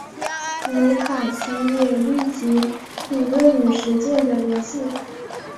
卢卡奇也虑及理论与实践的联系。